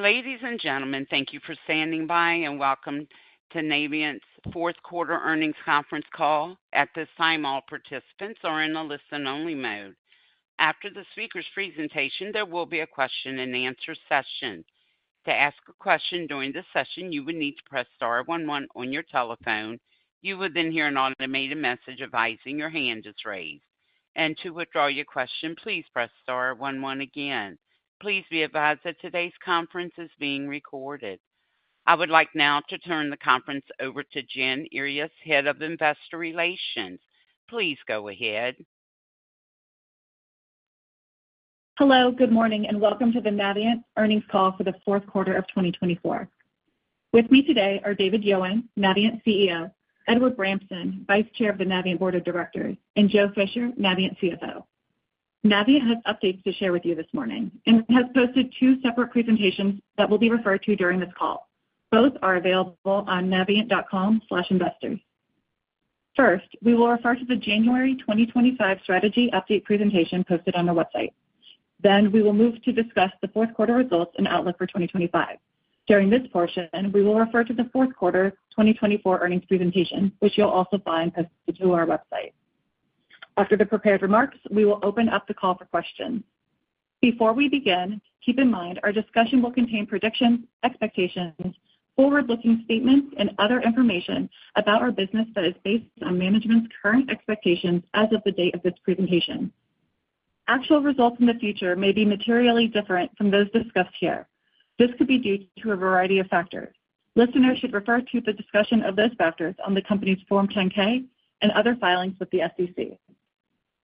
Ladies and gentlemen, thank you for standing by and welcome to Navient's Fourth Quarter Earnings Conference Call. At this time, all participants are in a listen-only mode. After the speaker's presentation, there will be a question-and-answer session. To ask a question during this session, you would need to press star 11 on your telephone. You will then hear an automated message advising your hand is raised, and to withdraw your question, please press star 11 again. Please be advised that today's conference is being recorded. I would like now to turn the conference over to Jen Earyes, Head of Investor Relations. Please go ahead. Hello, good morning, and welcome to the Navient Earnings Call for the Fourth Quarter of 2024. With me today are David Yowan, Navient CEO; Edward Bramson, Vice Chair of the Navient Board of Directors; and Joe Fisher, Navient CFO. Navient has updates to share with you this morning and has posted two separate presentations that we'll be referring to during this call. Both are available on navient.com/investors. First, we will refer to the January 2025 strategy update presentation posted on our website. Then we will move to discuss the Fourth Quarter results and outlook for 2025. During this portion, we will refer to the Fourth Quarter 2024 earnings presentation, which you'll also find posted to our website. After the prepared remarks, we will open up the call for questions. Before we begin, keep in mind our discussion will contain predictions, expectations, forward-looking statements, and other information about our business that is based on management's current expectations as of the date of this presentation. Actual results in the future may be materially different from those discussed here. This could be due to a variety of factors. Listeners should refer to the discussion of those factors on the company's Form 10-K and other filings with the SEC.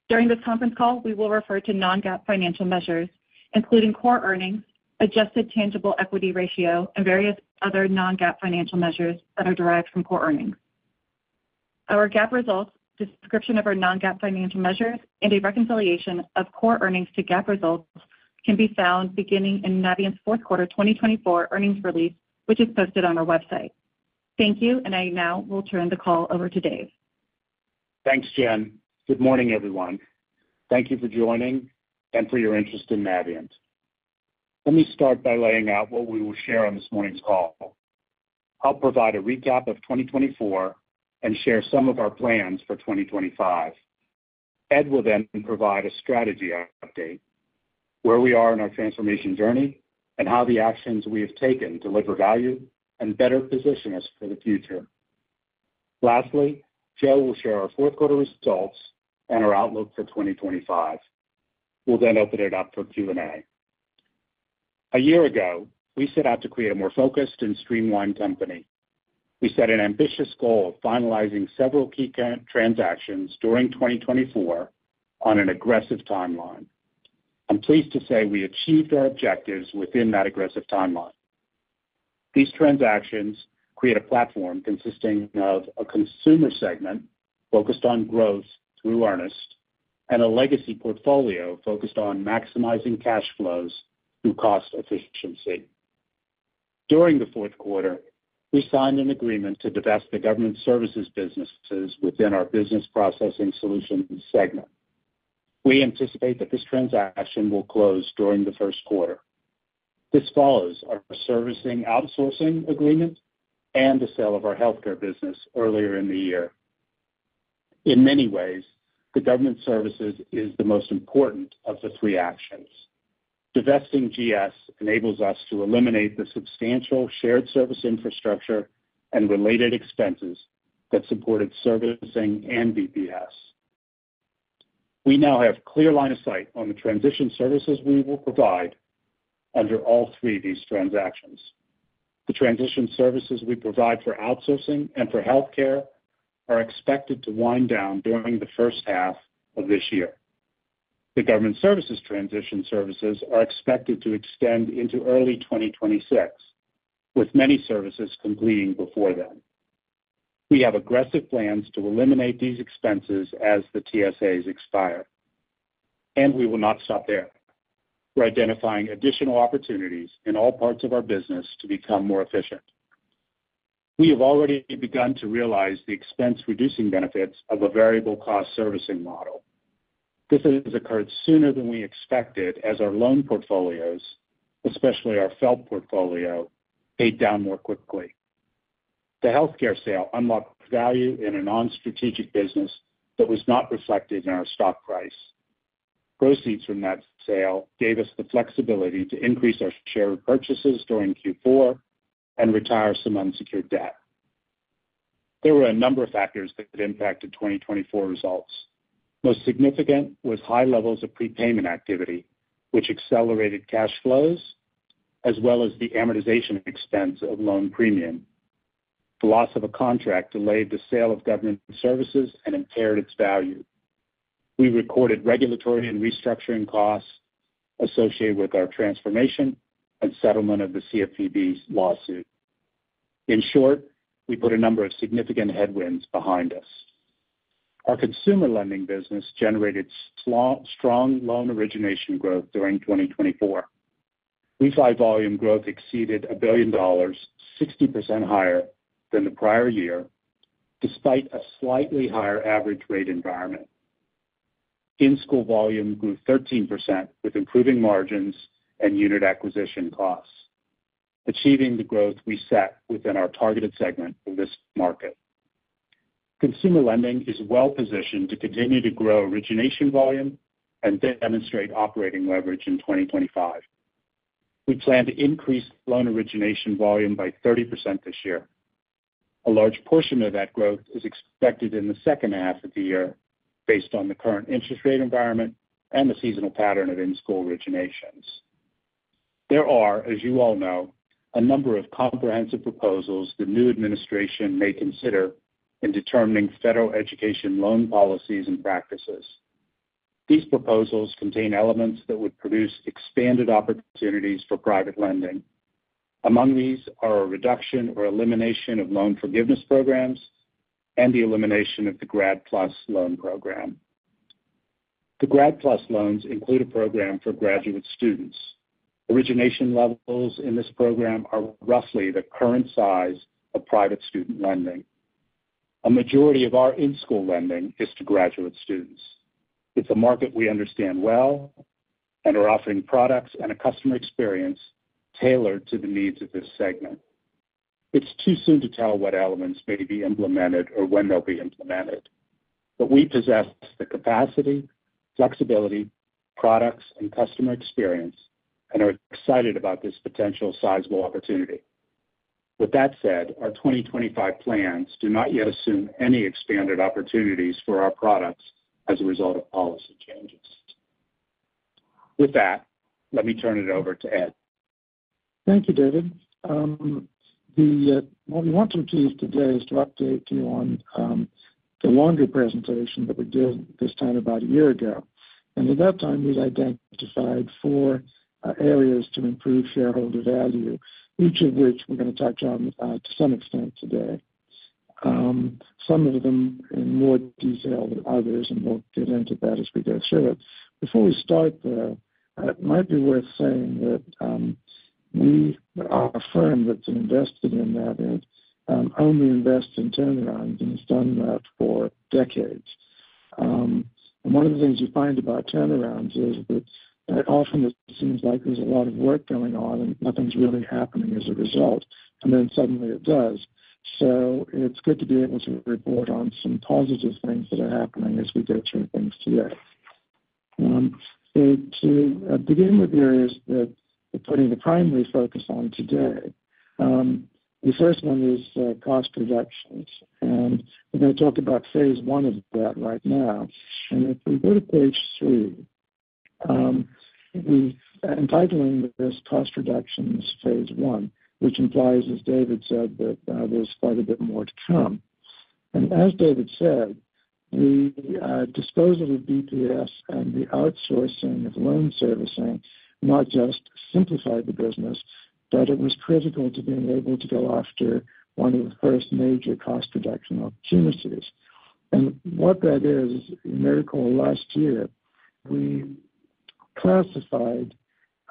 During this conference call, we will refer to non-GAAP financial measures, including core earnings, adjusted tangible equity ratio, and various other non-GAAP financial measures that are derived from core earnings. Our GAAP results, description of our non-GAAP financial measures, and a reconciliation of core earnings to GAAP results can be found beginning in Navient's Fourth Quarter 2024 earnings release, which is posted on our website. Thank you, and I now will turn the call over to Dave. Thanks, Jen. Good morning, everyone. Thank you for joining and for your interest in Navient. Let me start by laying out what we will share on this morning's call. I'll provide a recap of 2024 and share some of our plans for 2025. And will then provide a strategy update, where we are in our transformation journey and how the actions we have taken deliver value and better position us for the future. Lastly, Joe will share our fourth quarter results and our outlook for 2025. We'll then open it up for Q&A. A year ago, we set out to create a more focused and streamlined company. We set an ambitious goal of finalizing several key transactions during 2024 on an aggressive timeline. I'm pleased to say we achieved our objectives within that aggressive timeline. These transactions create a platform consisting of a consumer segment focused on growth through Earnest and a legacy portfolio focused on maximizing cash flows through cost efficiency. During the fourth quarter, we signed an agreement to divest the Government Services businesses within our Business Processing Solutions segment. We anticipate that this transaction will close during the first quarter. This follows our servicing outsourcing agreement and the sale of our healthcare business earlier in the year. In many ways, the Government Services is the most important of the three actions. Divesting GS enables us to eliminate the substantial shared service infrastructure and related expenses that supported servicing and BPS. We now have a clear line of sight on the transition services we will provide under all three of these transactions. The transition services we provide for outsourcing and for healthcare are expected to wind down during the first half of this year. The government services transition services are expected to extend into early 2026, with many services completing before then. We have aggressive plans to eliminate these expenses as the TSAs expire. And we will not stop there. We're identifying additional opportunities in all parts of our business to become more efficient. We have already begun to realize the expense-reducing benefits of a variable cost servicing model. This has occurred sooner than we expected as our loan portfolios, especially our FFELP portfolio, paid down more quickly. The healthcare sale unlocked value in a non-strategic business that was not reflected in our stock price. Proceeds from that sale gave us the flexibility to increase our share repurchases during Q4 and retire some unsecured debt. There were a number of factors that impacted 2024 results. Most significant was high levels of prepayment activity, which accelerated cash flows as well as the amortization expense of loan premium. The loss of a contract delayed the sale of government services and impaired its value. We recorded regulatory and restructuring costs associated with our transformation and settlement of the CFPB lawsuit. In short, we put a number of significant headwinds behind us. Our consumer lending business generated strong loan origination growth during 2024. We saw volume growth exceeded $1 billion, 60% higher than the prior year, despite a slightly higher average rate environment. In-school volume grew 13% with improving margins and unit acquisition costs, achieving the growth we set within our targeted segment in this market. Consumer lending is well positioned to continue to grow origination volume and demonstrate operating leverage in 2025. We plan to increase loan origination volume by 30% this year. A large portion of that growth is expected in the second half of the year based on the current interest rate environment and the seasonal pattern of in-school originations. There are, as you all know, a number of comprehensive proposals the new administration may consider in determining federal education loan policies and practices. These proposals contain elements that would produce expanded opportunities for private lending. Among these are a reduction or elimination of loan forgiveness programs and the elimination of the Grad PLUS loan program. The Grad PLUS loans include a program for graduate students. Origination levels in this program are roughly the current size of private student lending. A majority of our in-school lending is to graduate students. It's a market we understand well and are offering products and a customer experience tailored to the needs of this segment. It's too soon to tell what elements may be implemented or when they'll be implemented, but we possess the capacity, flexibility, products, and customer experience and are excited about this potential sizable opportunity. With that said, our 2025 plans do not yet assume any expanded opportunities for our products as a result of policy changes. With that, let me turn it over to Ed. Thank you, David. What we want to achieve today is to update you on the January presentation that we did this time about a year ago, and at that time, we identified four areas to improve shareholder value, each of which we're going to touch on to some extent today. Some of them in more detail than others, and we'll get into that as we go through it. Before we start, though, it might be worth saying that we, our firm that's invested in that, have only invested in turnarounds and has done that for decades, and one of the things you find about turnarounds is that often it seems like there's a lot of work going on and nothing's really happening as a result, and then suddenly it does. It's good to be able to report on some positive things that are happening as we go through things today. To begin with, here's what we're putting the primary focus on today. The first one is cost reductions. We're going to talk about phase one of that right now. If we go to page three, we're entitling this cost reductions phase one, which implies, as David said, that there's quite a bit more to come. As David said, the disposal of BPS and the outsourcing of loan servicing not just simplified the business, but it was critical to being able to go after one of the first major cost reduction opportunities. What that is, as you may recall, last year, we classified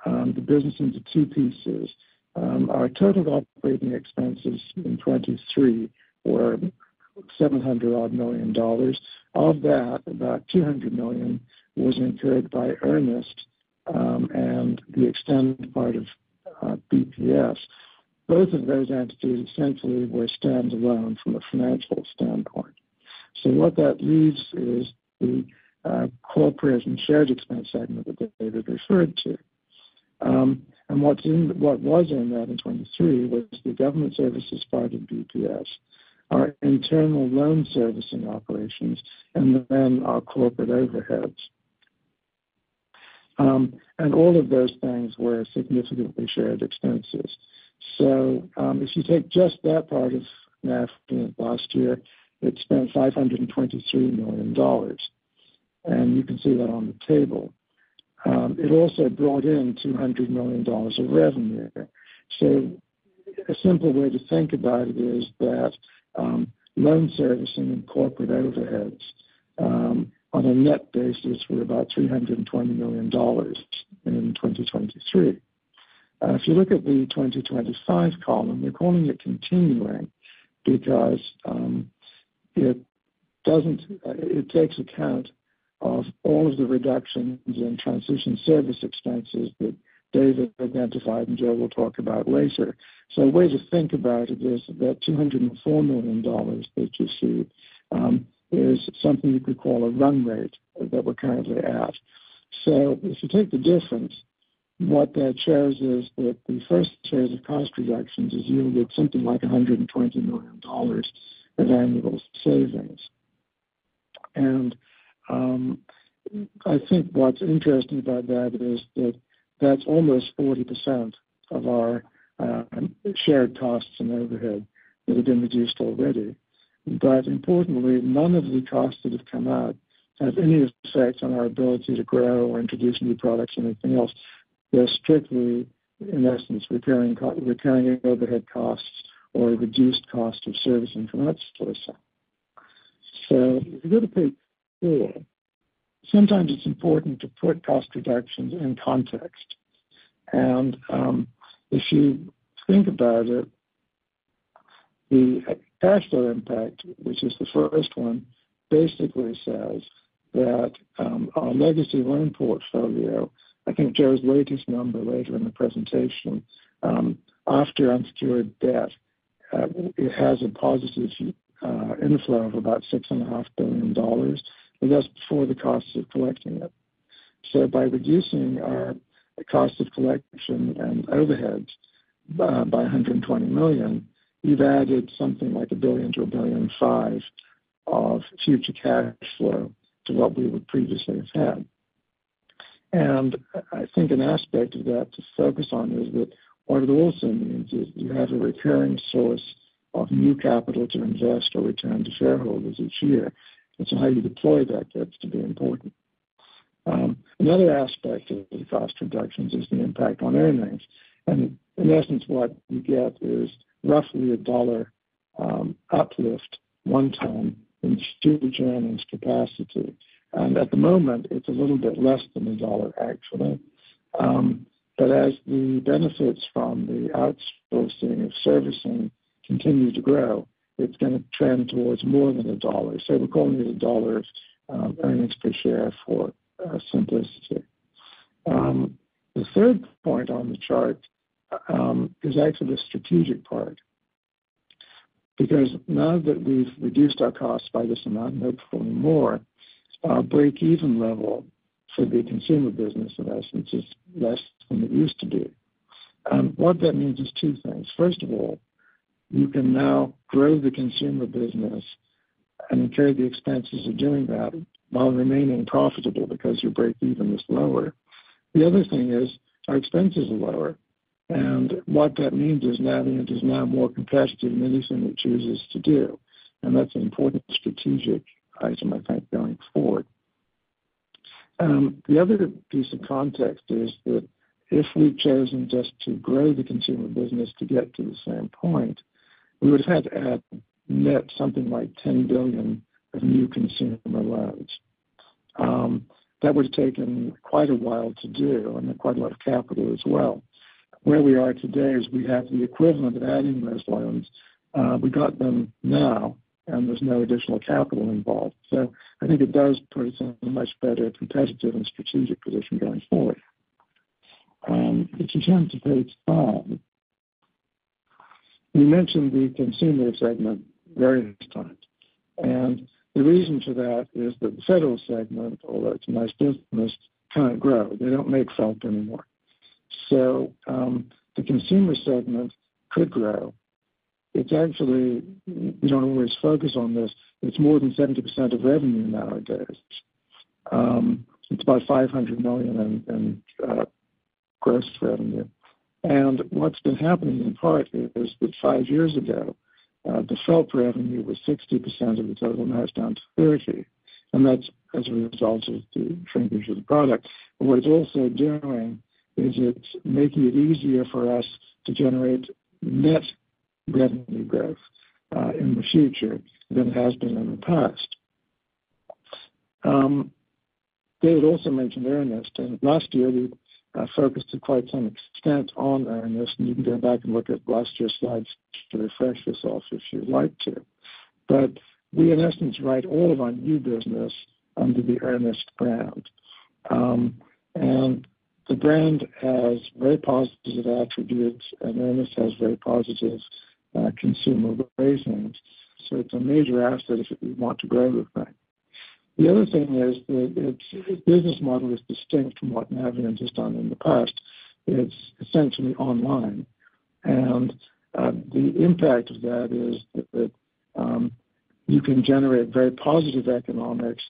the business into two pieces. Our total operating expenses in 2023 were $700 million. Of that, about $200 million was incurred by Earnest and the exited part of BPS. Both of those entities essentially were standalone from a financial standpoint, so what that leaves is the corporate and shared expense segment that David referred to, and what was in that in 2023 was the government services part of BPS, our internal loan servicing operations, and then our corporate overheads, and all of those things were significantly shared expenses, so if you take just that part of Navient last year, it spent $523 million, and you can see that on the table. It also brought in $200 million of revenue, so a simple way to think about it is that loan servicing and corporate overheads on a net basis were about $320 million in 2023. If you look at the 2025 column, we're calling it continuing because it takes account of all of the reductions in transition service expenses that David identified and Joe will talk about later. So a way to think about it is that $204 million that you see is something you could call a run rate that we're currently at. So if you take the difference, what that shows is that the first series of cost reductions is yielded something like $120 million of annual savings. And I think what's interesting about that is that that's almost 40% of our shared costs and overhead that have been reduced already. But importantly, none of the costs that have come out have any effect on our ability to grow or introduce new products or anything else. They're strictly, in essence, recurring overhead costs or reduced costs of servicing from that source. If you go to page four, sometimes it's important to put cost reductions in context. If you think about it, the cash flow impact, which is the first one, basically says that our legacy loan portfolio, I think Joe's latest number later in the presentation, after unsecured debt, it has a positive inflow of about $6.5 billion, and that's before the cost of collecting it. By reducing our cost of collection and overheads by $120 million, you've added something like $1 billion-$1.05 billion of future cash flow to what we would previously have had. I think an aspect of that to focus on is that what it also means is you have a recurring source of new capital to invest or return to shareholders each year. How you deploy that gets to be important. Another aspect of the cost reductions is the impact on earnings, and in essence, what you get is roughly $1 uplift one time in earnings capacity, and at the moment, it's a little bit less than $1, actually, but as the benefits from the outsourcing of servicing continue to grow, it's going to trend towards more than $1, so we're calling it $1 earnings per share for simplicity. The third point on the chart is actually the strategic part. Because now that we've reduced our costs by this amount, hopefully more, our break-even level for the consumer business, in essence, is less than it used to be, and what that means is two things. First of all, you can now grow the consumer business and incur the expenses of doing that while remaining profitable because your break-even is lower. The other thing is our expenses are lower. And what that means is Navient is now more competitive in anything it chooses to do. And that's an important strategic item, I think, going forward. The other piece of context is that if we'd chosen just to grow the consumer business to get to the same point, we would have had to add net something like $10 billion of new consumer loans. That would have taken quite a while to do and quite a lot of capital as well. Where we are today is we have the equivalent of adding those loans. We got them now, and there's no additional capital involved. So I think it does put us in a much better competitive and strategic position going forward. If you turn to page five, we mentioned the consumer segment various times. And the reason for that is that the federal segment, although it's a nice business, can't grow. They don't make FFELP anymore. So the consumer segment could grow. It's actually, we don't always focus on this, it's more than 70% of revenue nowadays. It's about $500 million in gross revenue. And what's been happening in part is that five years ago, the FFELP revenue was 60% of the total and now it's down to 30%. And that's as a result of the shrinkage of the product. And what it's also doing is it's making it easier for us to generate net revenue growth in the future than it has been in the past. David also mentioned Earnest. And last year, we focused to quite some extent on Earnest. And you can go back and look at last year's slides to refresh yourself if you'd like to. But we, in essence, write all of our new business under the Earnest brand, and the brand has very positive attributes, and Earnest has very positive consumer ratings, so it's a major asset if you want to grow the thing. The other thing is that its business model is distinct from what Navient has done in the past. It's essentially online, and the impact of that is that you can generate very positive economics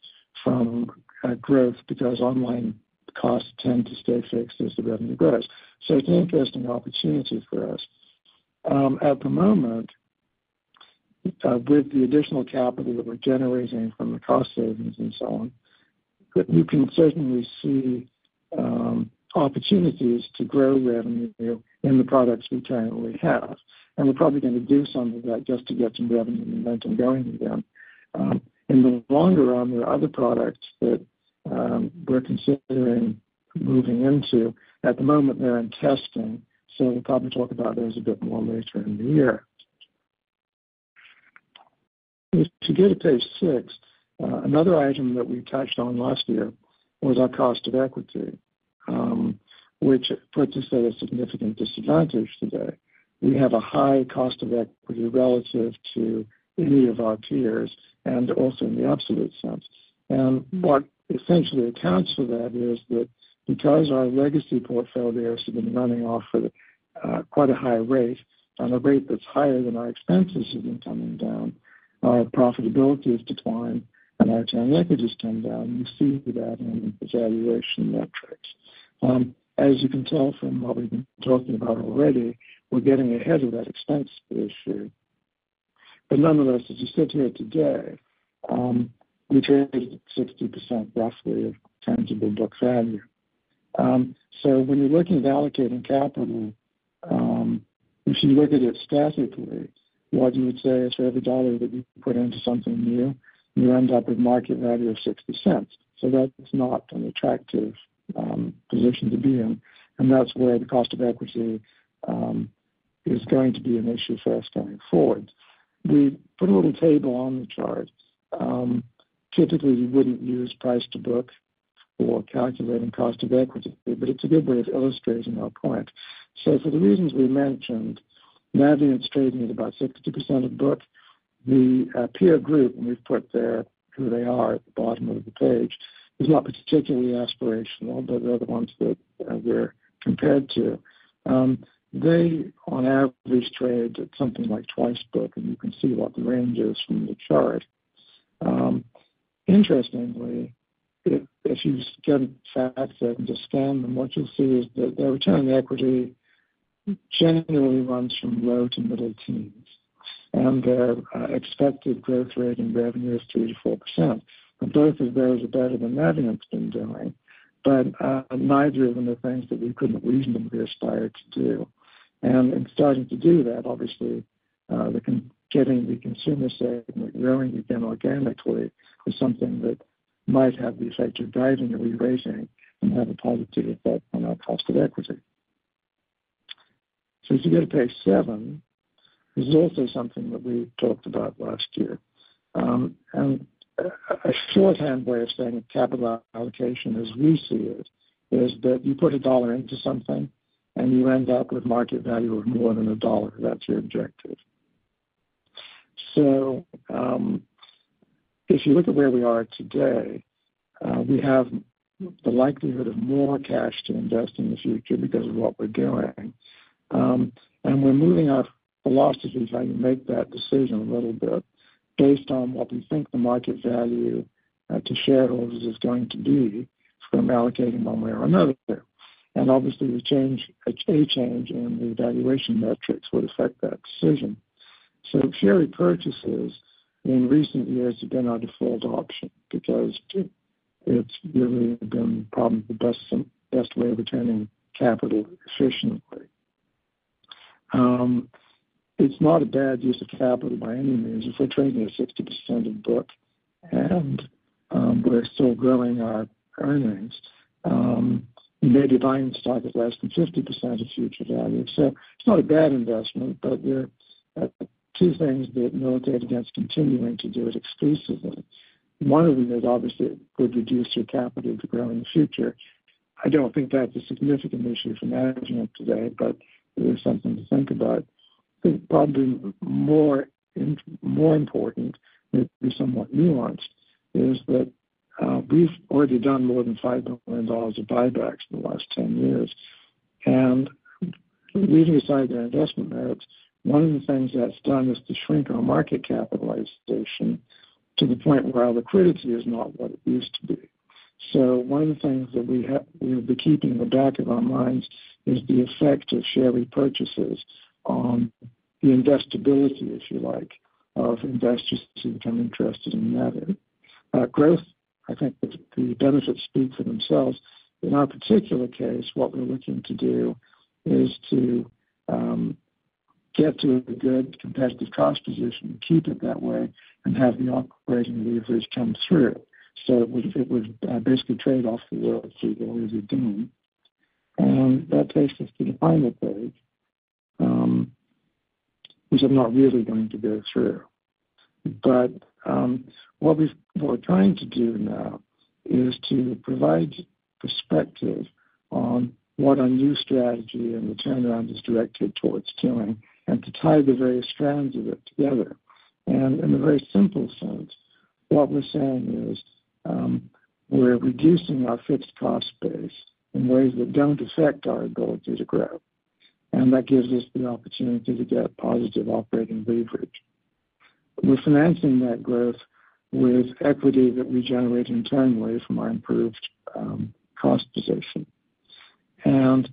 from growth because online costs tend to stay fixed as the revenue grows, so it's an interesting opportunity for us. At the moment, with the additional capital that we're generating from the cost savings and so on, you can certainly see opportunities to grow revenue in the products we currently have, and we're probably going to do some of that just to get some revenue and let them go in again. In the longer run, there are other products that we're considering moving into. At the moment, they're in testing. So we'll probably talk about those a bit more later in the year. If you go to page six, another item that we touched on last year was our cost of equity, which puts us at a significant disadvantage today. We have a high cost of equity relative to any of our peers and also in the absolute sense. And what essentially accounts for that is that because our legacy portfolio has been running off at quite a high rate and a rate that's higher than our expenses have been coming down, our profitability has declined and our turnover has come down. You see that in the valuation metrics. As you can tell from what we've been talking about already, we're getting ahead of that expense issue. But nonetheless, as you sit here today, we traded at 60%, roughly, of tangible book value. So when you're looking at allocating capital, if you look at it statically, what you would say is for every dollar that you put into something new, you end up with market value of 60 cents. So that's not an attractive position to be in. And that's where the cost of equity is going to be an issue for us going forward. We put a little table on the chart. Typically, you wouldn't use price to book for calculating cost of equity, but it's a good way of illustrating our point. So for the reasons we mentioned, Navient's trading at about 60% of book. The peer group, and we've put there who they are at the bottom of the page, is not particularly aspirational, but they're the ones that we're compared to. They, on average, trade at something like twice book, and you can see what the range is from the chart. Interestingly, if you get a factor and just scan them, what you'll see is that their return on equity generally runs from low to middle teens. And their expected growth rate in revenue is 3%-4%. And both of those are better than Navient's been doing, but neither of them are things that we couldn't reasonably aspire to do. And in starting to do that, obviously, getting the consumer segment growing again organically is something that might have the effect of driving a rerating and have a positive effect on our cost of equity. So if you go to page seven, there's also something that we talked about last year. A shorthand way of saying capital allocation, as we see it, is that you put $1 into something and you end up with market value of more than $1 if that's your objective. So if you look at where we are today, we have the likelihood of more cash to invest in the future because of what we're doing. And we're moving our philosophy trying to make that decision a little bit based on what we think the market value to shareholders is going to be from allocating one way or another. And obviously, a change in the valuation metrics would affect that decision. So share purchases in recent years have been our default option because it's really been probably the best way of returning capital efficiently. It's not a bad use of capital by any means. If we're trading at 60% of book and we're still growing our earnings, you may be buying stock at less than 50% of future value. So it's not a bad investment, but there are two things that militate against continuing to do it exclusively. One of them is obviously it would reduce your capital to grow in the future. I don't think that's a significant issue for Navient today, but it is something to think about. I think probably more important and somewhat nuanced is that we've already done more than $5 billion of buybacks in the last 10 years. And leaving aside their investment merits, one of the things that's done is to shrink our market capitalization to the point where our liquidity is not what it used to be. So one of the things that we'll be keeping in the back of our minds is the effect of share repurchases on the investability, if you like, of investors who become interested in Navient. Growth, I think the benefits speak for themselves. In our particular case, what we're looking to do is to get to a good competitive cost position, keep it that way, and have the operating levers come through. So it would basically trade off the world through the way we're doing. And that takes us to the final page, which I'm not really going to go through. But what we're trying to do now is to provide perspective on what our new strategy and the turnaround is directed towards doing and to tie the various strands of it together. And in a very simple sense, what we're saying is we're reducing our fixed cost base in ways that don't affect our ability to grow. And that gives us the opportunity to get positive operating leverage. We're financing that growth with equity that we generate internally from our improved cost position. And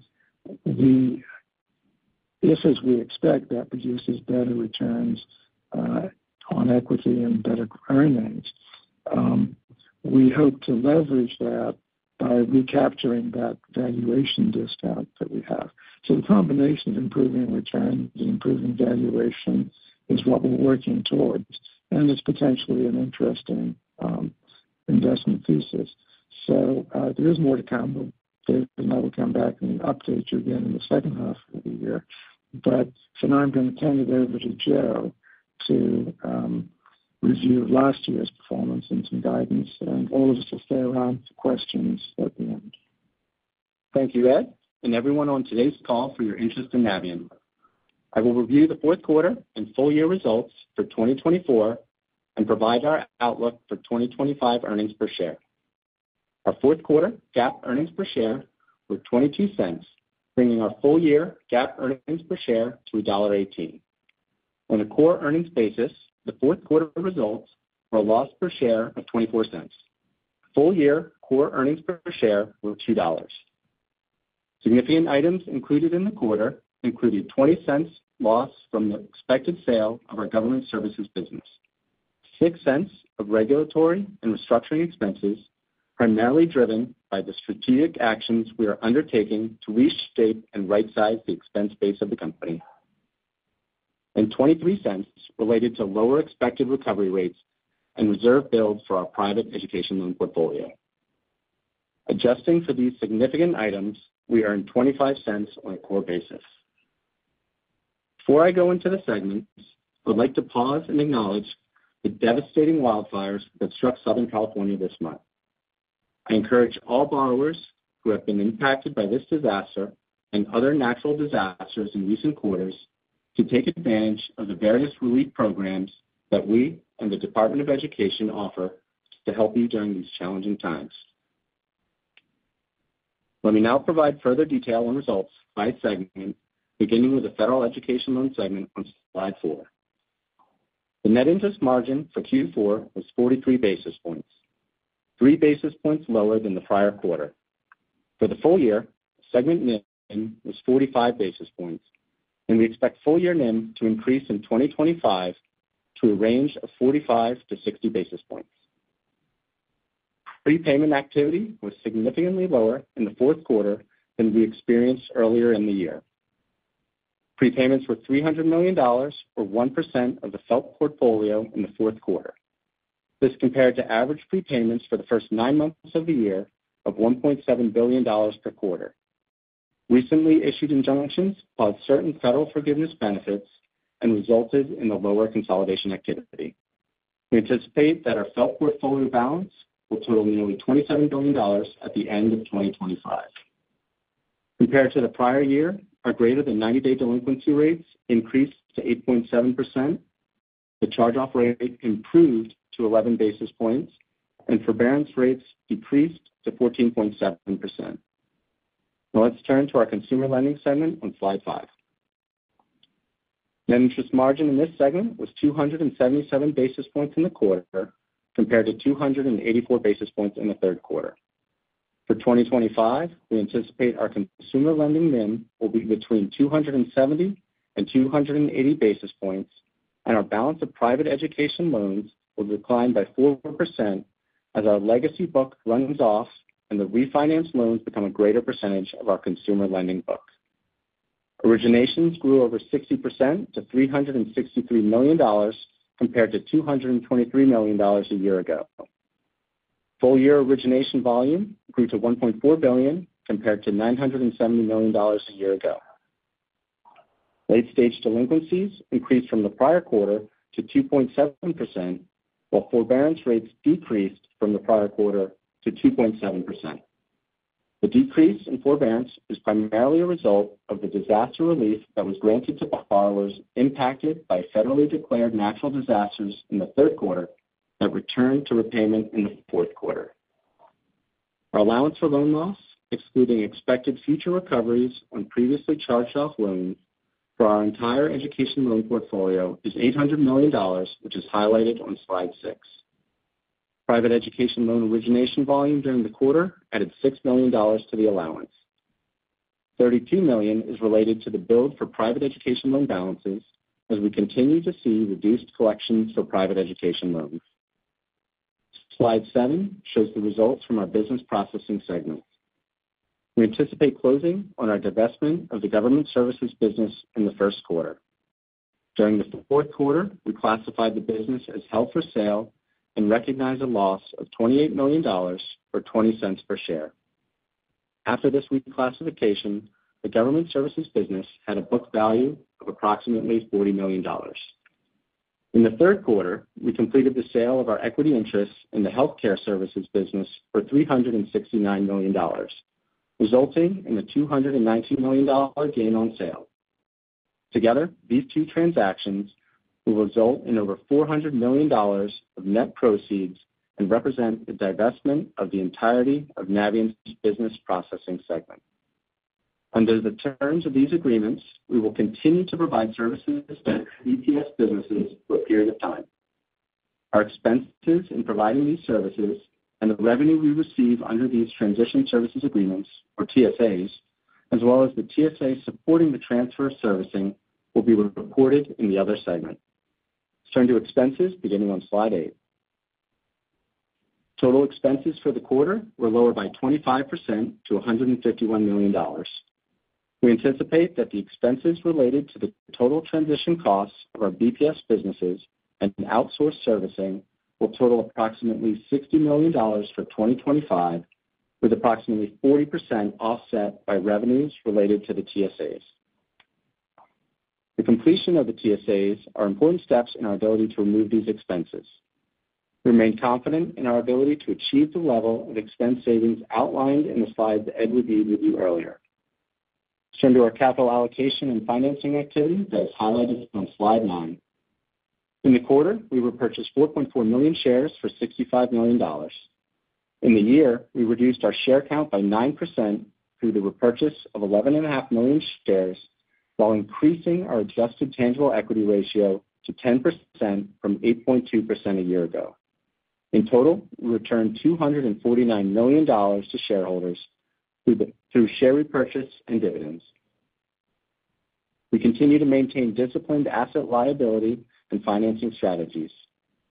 if, as we expect, that produces better returns on equity and better earnings, we hope to leverage that by recapturing that valuation discount that we have. So the combination of improving returns and improving valuation is what we're working towards. And it's potentially an interesting investment thesis. So there is more to come. David and I will come back and update you again in the second half of the year. But for now, I'm going to turn it over to Joe to review last year's performance and some guidance. And all of us will stay around for questions at the end. Thank you, Ed, and everyone on today's call for your interest in Navient. I will review the fourth quarter and full year results for 2024 and provide our outlook for 2025 earnings per share. Our fourth quarter GAAP earnings per share were $0.22, bringing our full year GAAP earnings per share to $1.18. On a core earnings basis, the fourth quarter results were a loss per share of $0.24. Full year core earnings per share were $2. Significant items included in the quarter included $0.20 loss from the expected sale of our government services business, $0.06 of regulatory and restructuring expenses primarily driven by the strategic actions we are undertaking to reshape and right-size the expense base of the company, and $0.23 related to lower expected recovery rates and reserve builds for our private education loan portfolio. Adjusting for these significant items, we earned $0.25 on a core basis. Before I go into the segments, I would like to pause and acknowledge the devastating wildfires that struck Southern California this month. I encourage all borrowers who have been impacted by this disaster and other natural disasters in recent quarters to take advantage of the various relief programs that we and the Department of Education offer to help you during these challenging times. Let me now provide further detail on results by segment, beginning with the federal education loan segment on slide four. The net interest margin for Q4 was 43 basis points, three basis points lower than the prior quarter. For the full year, segment NIM was 45 basis points, and we expect full year NIM to increase in 2025 to a range of 45 to 60 basis points. Prepayment activity was significantly lower in the fourth quarter than we experienced earlier in the year. Prepayments were $300 million, or 1% of the FFELP portfolio in the fourth quarter. This compared to average prepayments for the first nine months of the year of $1.7 billion per quarter. Recently issued injunctions caused certain federal forgiveness benefits and resulted in a lower consolidation activity. We anticipate that our FFELP portfolio balance will total nearly $27 billion at the end of 2025. Compared to the prior year, our greater than 90-day delinquency rates increased to 8.7%. The charge-off rate improved to 11 basis points, and forbearance rates decreased to 14.7%. Now let's turn to our consumer lending segment on slide five. Net interest margin in this segment was 277 basis points in the quarter compared to 284 basis points in the third quarter. For 2025, we anticipate our consumer lending NIM will be between 270 and 280 basis points, and our balance of private education loans will decline by 4% as our legacy book runs off and the refinanced loans become a greater percentage of our consumer lending book. Originations grew over 60% to $363 million compared to $223 million a year ago. Full year origination volume grew to $1.4 billion compared to $970 million a year ago. Late-stage delinquencies increased from the prior quarter to 2.7%, while forbearance rates decreased from the prior quarter to 2.7%. The decrease in forbearance is primarily a result of the disaster relief that was granted to borrowers impacted by federally declared natural disasters in the third quarter that returned to repayment in the fourth quarter. Our allowance for loan loss, excluding expected future recoveries on previously charged-off loans for our entire education loan portfolio, is $800 million, which is highlighted on slide six. Private education loan origination volume during the quarter added $6 million to the allowance. $32 million is related to the build for private education loan balances as we continue to see reduced collections for private education loans. Slide seven shows the results from our business processing segment. We anticipate closing on our divestment of the government services business in the first quarter. During the fourth quarter, we classified the business as held for sale and recognized a loss of $28 million or $0.20 per share. After this reclassification, the government services business had a book value of approximately $40 million. In the third quarter, we completed the sale of our equity interests in the healthcare services business for $369 million, resulting in a $219 million gain on sale. Together, these two transactions will result in over $400 million of net proceeds and represent the divestment of the entirety of Navient's business processing segment. Under the terms of these agreements, we will continue to provide services to ETS businesses for a period of time. Our expenses in providing these services and the revenue we receive under these transition services agreements, or TSAs, as well as the TSA supporting the transfer of servicing, will be reported in the other segment. Let's turn to expenses beginning on slide eight. Total expenses for the quarter were lower by 25% to $151 million. We anticipate that the expenses related to the total transition costs of our BPS businesses and outsourced servicing will total approximately $60 million for 2025, with approximately 40% offset by revenues related to the TSAs. The completion of the TSAs are important steps in our ability to remove these expenses. We remain confident in our ability to achieve the level of expense savings outlined in the slides that Ed reviewed with you earlier. Let's turn to our capital allocation and financing activity that is highlighted on slide nine. In the quarter, we repurchased 4.4 million shares for $65 million. In the year, we reduced our share count by 9% through the repurchase of 11.5 million shares, while increasing our adjusted tangible equity ratio to 10% from 8.2% a year ago. In total, we returned $249 million to shareholders through share repurchase and dividends. We continue to maintain disciplined asset liability and financing strategies.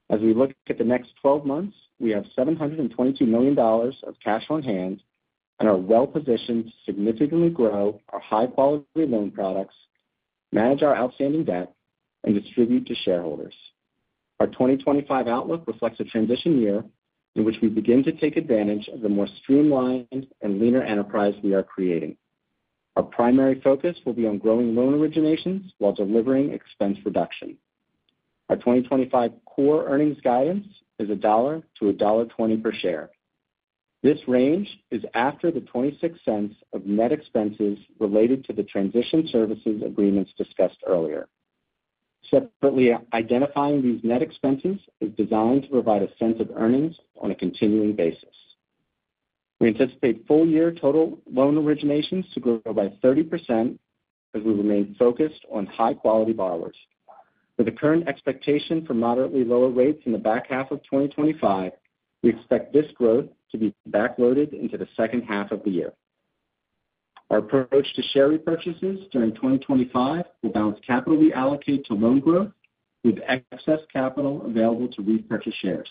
As we look at the next 12 months, we have $722 million of cash on hand and are well-positioned to significantly grow our high-quality loan products, manage our outstanding debt, and distribute to shareholders. Our 2025 outlook reflects a transition year in which we begin to take advantage of the more streamlined and leaner enterprise we are creating. Our primary focus will be on growing loan originations while delivering expense reduction. Our 2025 core earnings guidance is $1-$1.20 per share. This range is after the $0.26 of net expenses related to the transition services agreements discussed earlier. Separately, identifying these net expenses is designed to provide a sense of earnings on a continuing basis. We anticipate full year total loan originations to grow by 30% as we remain focused on high-quality borrowers. With the current expectation for moderately lower rates in the back half of 2025, we expect this growth to be backloaded into the second half of the year. Our approach to share repurchases during 2025 will balance capital we allocate to loan growth with excess capital available to repurchase shares.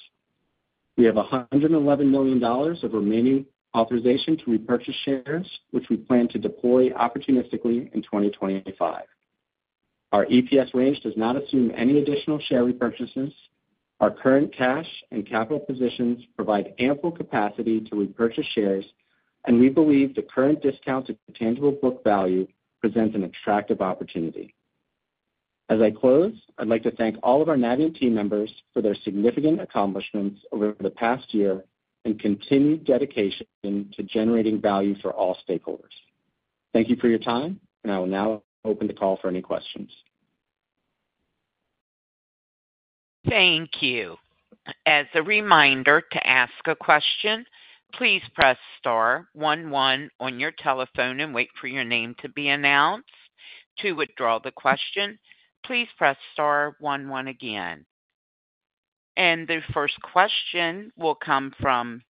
We have $111 million of remaining authorization to repurchase shares, which we plan to deploy opportunistically in 2025. Our EPS range does not assume any additional share repurchases. Our current cash and capital positions provide ample capacity to repurchase shares, and we believe the current discounted tangible book value presents an attractive opportunity. As I close, I'd like to thank all of our Navient team members for their significant accomplishments over the past year and continued dedication to generating value for all stakeholders. Thank you for your time, and I will now open the call for any questions. Thank you. As a reminder to ask a question, please press star 11 on your telephone and wait for your name to be announced. To withdraw the question, please press star 11 again. And the first question will come from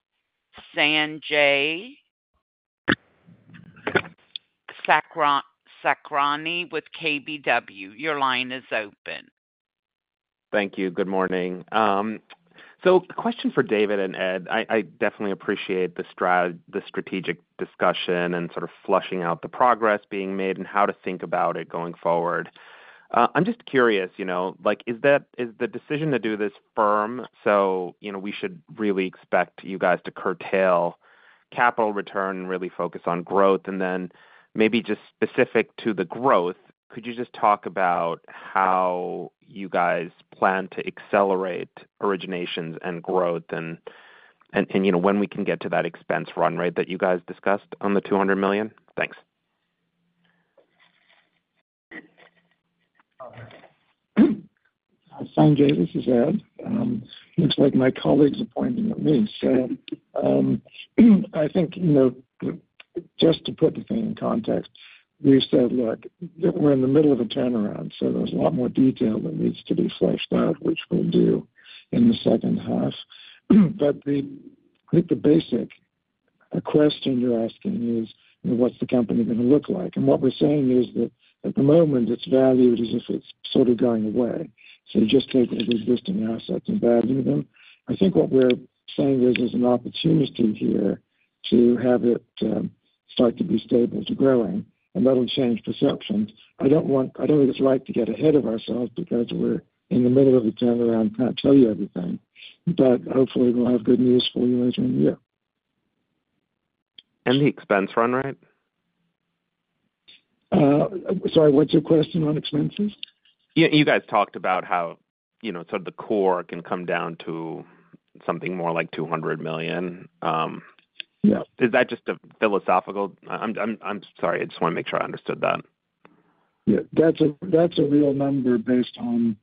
Sanjay Sakhrani with KBW. Your line is open. Thank you. Good morning. So question for David and Ed. I definitely appreciate the strategic discussion and sort of fleshing out the progress being made and how to think about it going forward. I'm just curious, is the decision to do this firm so we should really expect you guys to curtail capital return and really focus on growth? And then maybe just specific to the growth, could you just talk about how you guys plan to accelerate originations and growth and when we can get to that expense run, right, that you guys discussed on the $200 million? Thanks. Hi, Sanjay. This is Ed. Looks like my colleague's appointing a meeting, so I think just to put the thing in context, we said, "Look, we're in the middle of a turnaround, so there's a lot more detail that needs to be fleshed out," which we'll do in the second half, but I think the basic question you're asking is, "What's the company going to look like?" and what we're saying is that at the moment, it's valued as if it's sort of going away, so you just take the existing assets and value them. I think what we're saying is there's an opportunity here to have it start to be stable to growing, and that'll change perceptions. I don't think it's right to get ahead of ourselves because we're in the middle of a turnaround. Can't tell you everything, but hopefully, we'll have good news for you later in the year. The expense run, right? Sorry, what's your question on expenses? You guys talked about how sort of the core can come down to something more like $200 million. Is that just a hypothetical? I'm sorry. I just want to make sure I understood that. Yeah. That's a real number based on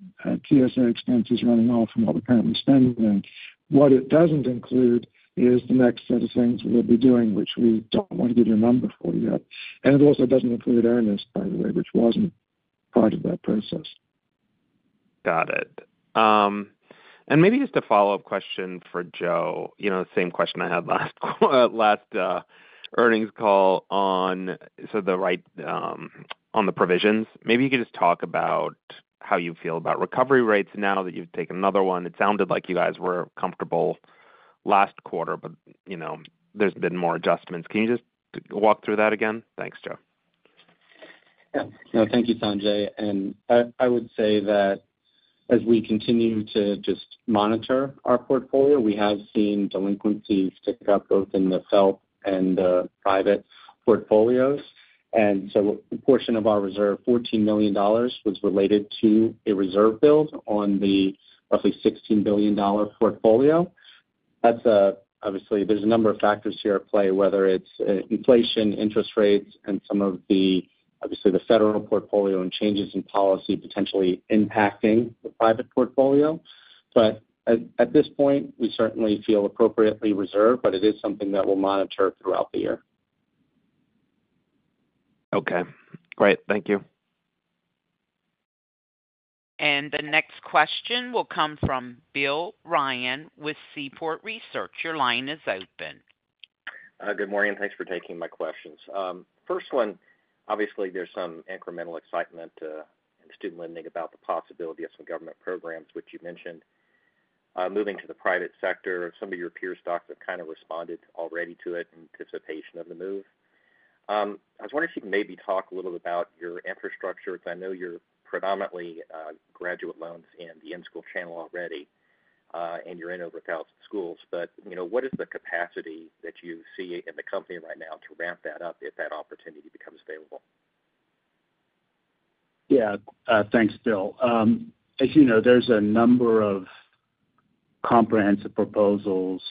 TSA expenses running off from what we're currently spending. What it doesn't include is the next set of things we'll be doing, which we don't want to give you a number for yet. And it also doesn't include Earnest, by the way, which wasn't part of that process. Got it. And maybe just a follow-up question for Joe, the same question I had last earnings call on sort of the provisions. Maybe you could just talk about how you feel about recovery rates now that you've taken another one. It sounded like you guys were comfortable last quarter, but there's been more adjustments. Can you just walk through that again? Thanks, Joe. Yeah. No, thank you, Sanjay. And I would say that as we continue to just monitor our portfolio, we have seen delinquencies pick up both in the FFELP and the private portfolios. And so a portion of our reserve, $14 million, was related to a reserve build on the roughly $16 billion portfolio. Obviously, there's a number of factors here at play, whether it's inflation, interest rates, and some of the, obviously, the federal portfolio and changes in policy potentially impacting the private portfolio. But at this point, we certainly feel appropriately reserved, but it is something that we'll monitor throughout the year. Okay. Great. Thank you. And the next question will come from Bill Ryan with Seaport Research Partners. Your line is open. Good morning. Thanks for taking my questions. First one, obviously, there's some incremental excitement in student lending about the possibility of some government programs, which you mentioned, moving to the private sector. Some of your peer stocks have kind of responded already to it in anticipation of the move. I was wondering if you could maybe talk a little about your infrastructure because I know you're predominantly graduate loans in the in-school channel already, and you're in over 1,000 schools. But what is the capacity that you see in the company right now to ramp that up if that opportunity becomes available? Yeah. Thanks, Bill. As you know, there's a number of comprehensive proposals,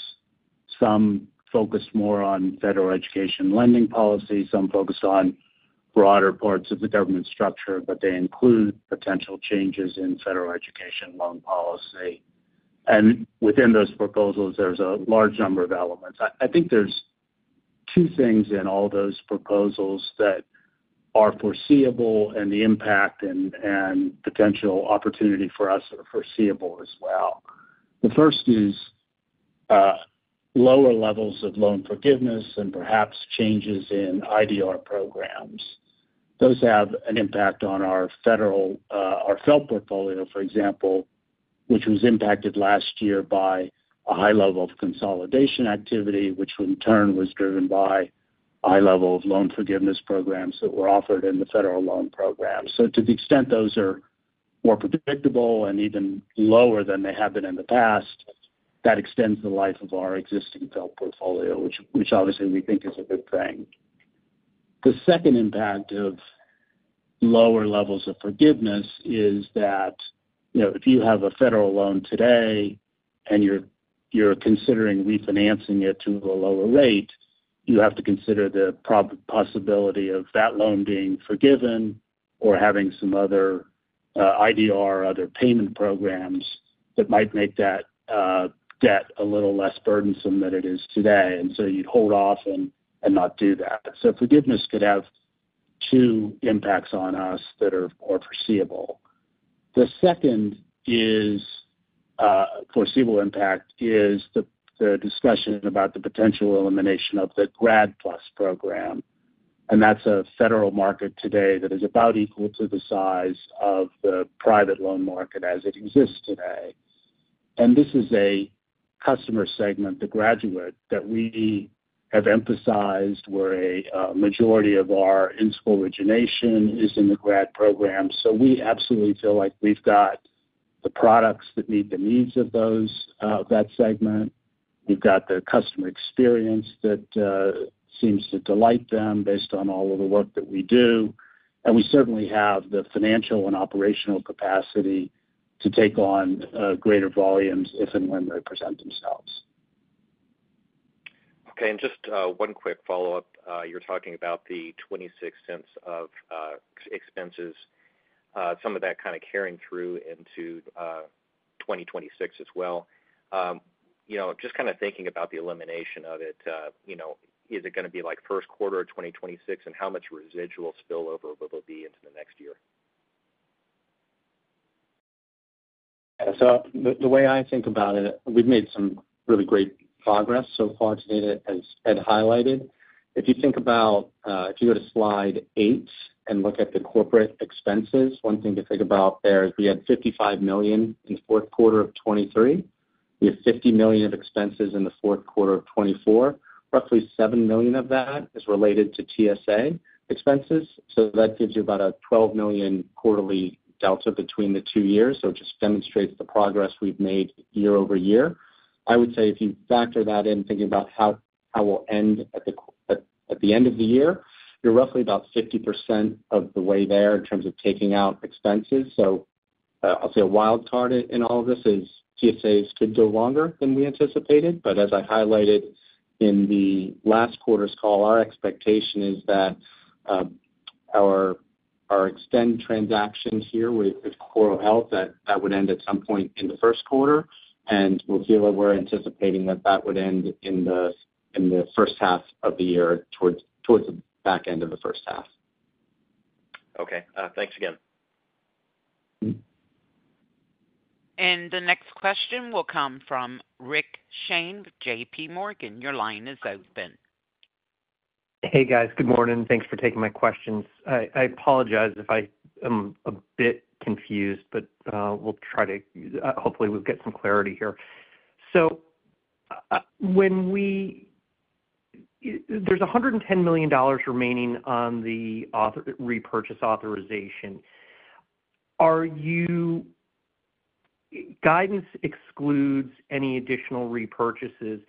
some focused more on federal education lending policy, some focused on broader parts of the government structure, but they include potential changes in federal education loan policy. And within those proposals, there's a large number of elements. I think there are two things in all those proposals that are foreseeable, and the impact and potential opportunity for us are foreseeable as well. The first is lower levels of loan forgiveness and perhaps changes in IDR programs. Those have an impact on our FFELP portfolio, for example, which was impacted last year by a high level of consolidation activity, which in turn was driven by a high level of loan forgiveness programs that were offered in the federal loan program. So to the extent those are more predictable and even lower than they have been in the past, that extends the life of our existing FFELP portfolio, which obviously we think is a good thing. The second impact of lower levels of forgiveness is that if you have a federal loan today and you're considering refinancing it to a lower rate, you have to consider the possibility of that loan being forgiven or having some other IDR, other payment programs that might make that debt a little less burdensome than it is today. And so you'd hold off and not do that. So forgiveness could have two impacts on us that are more foreseeable. The second foreseeable impact is the discussion about the potential elimination of the Grad PLUS program. And that's a federal market today that is about equal to the size of the private loan market as it exists today. And this is a customer segment, the graduate, that we have emphasized where a majority of our in-school origination is in the Grad PLUS program. We absolutely feel like we've got the products that meet the needs of that segment. We've got the customer experience that seems to delight them based on all of the work that we do. And we certainly have the financial and operational capacity to take on greater volumes if and when they present themselves. Okay. And just one quick follow-up. You're talking about the $0.26 of expenses, some of that kind of carrying through into 2026 as well. Just kind of thinking about the elimination of it, is it going to be like first quarter of 2026, and how much residual spillover will there be into the next year? Yeah. So the way I think about it, we've made some really great progress so far today, as Ed highlighted. If you think about if you go to slide eight and look at the corporate expenses, one thing to think about there is we had $55 million in the fourth quarter of 2023. We have $50 million of expenses in the fourth quarter of 2024. Roughly $7 million of that is related to TSA expenses. So that gives you about a $12 million quarterly delta between the two years. So it just demonstrates the progress we've made year over year. I would say if you factor that in, thinking about how we'll end at the end of the year, you're roughly about 50% of the way there in terms of taking out expenses. So I'll say a wildcard in all of this is TSAs could go longer than we anticipated. But as I highlighted in the last quarter's call, our expectation is that our extend transactions here with CorroHealth, that would end at some point in the first quarter. And we'll feel that we're anticipating that that would end in the first half of the year towards the back end of the first half. Okay. Thanks again. And the next question will come from Rick Shane with J.P. Morgan. Your line is open. Hey, guys. Good morning. Thanks for taking my questions. I apologize if I am a bit confused, but we'll try to hopefully get some clarity here. So there's $110 million remaining on the repurchase authorization. Guidance excludes any additional repurchases.